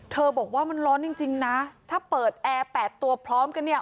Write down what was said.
บอกว่ามันร้อนจริงนะถ้าเปิดแอร์๘ตัวพร้อมกันเนี่ย